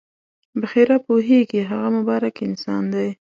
بحیرا پوهېږي هغه مبارک انسان همدغه دی.